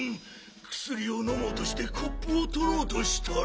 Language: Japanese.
くすりをのもうとしてコップをとろうとしたら。